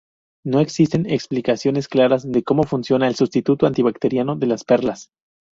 No existen explicaciones claras de cómo funciona el sustituto antibacteriano de las perlas.